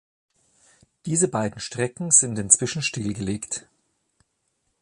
Diese beiden Strecken sind inzwischen stillgelegt.